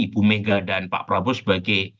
ibu mega dan pak prabowo sebagai